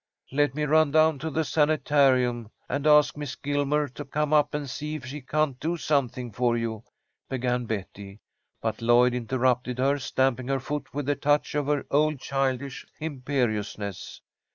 "Let me run down to the sanitarium and ask Miss Gilmer to come up and see if she can't do something for you," began Betty, but Lloyd interrupted her, stamping her foot with a touch of her old childish imperiousness.